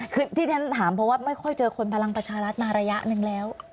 คือที่ฉันถามเพราะว่าไม่ค่อยเจอคนพลังประชารัฐมาระยะหนึ่งแล้ว